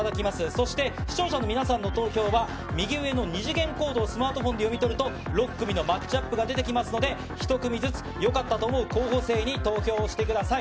そして、視聴者の皆さんの投票は右上の二次元コードをスマートフォンで読み取ると、６組のマッチアップが出てきますので、１組ずつ、よかったと思った候補生に投票してください。